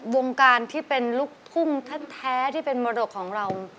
วงการที่เป็นลูกทุ่งแท้ที่เป็นมรดกของเรา